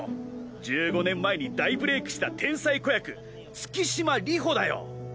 １５年前に大ブレークした天才子役月島流星だよ。